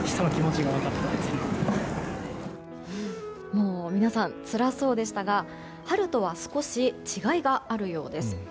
もう皆さんつらそうでしたが春とは少し違いがあるようです。